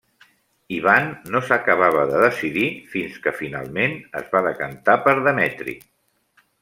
Ivan no s'acabava de decidir fins que finalment es va decantar per Demetri.